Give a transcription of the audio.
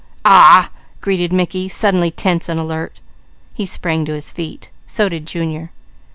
"Aw w w ah!" grated Mickey, suddenly tense and alert. He sprang to his feet. So did Junior.